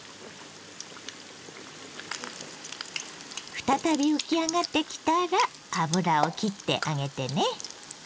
再び浮き上がってきたら油をきってあげてね。